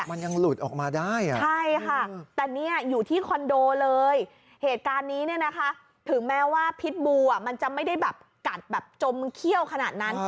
มันยังหลุดออกมาได้อ่ะใช่ค่ะแต่เนี่ยอยู่ที่คอนโดเลยเหตุการณ์นี้เนี่ยนะคะถึงแม้ว่าพิษบูมันจะไม่ได้แบบกัดแบบจมเขี้ยวขนาดนั้น